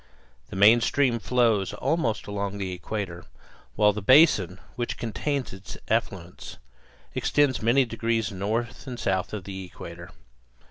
The main stream flows almost along the equator, while the basin which contains its affluents extends many degrees north and south of the equator.